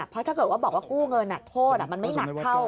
เพราะถ้าเกิดว่าบอกว่ากู้เงินโทษมันไม่หนักเท่า